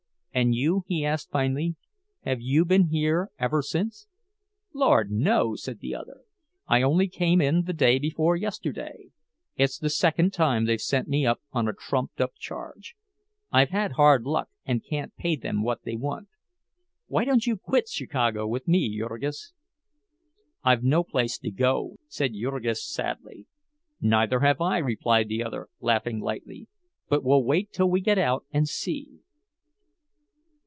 "And you?" he asked finally. "Have you been here ever since?" "Lord, no!" said the other. "I only came in the day before yesterday. It's the second time they've sent me up on a trumped up charge—I've had hard luck and can't pay them what they want. Why don't you quit Chicago with me, Jurgis?" "I've no place to go," said Jurgis, sadly. "Neither have I," replied the other, laughing lightly. "But we'll wait till we get out and see."